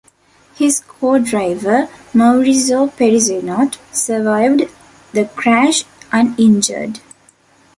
His co-driver Maurizio Perissinot survived the crash uninjured.